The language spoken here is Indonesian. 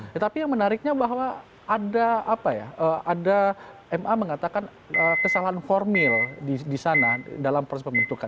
tetapi yang menariknya bahwa ada apa ya ada ma mengatakan kesalahan formil di sana dalam proses pembentukan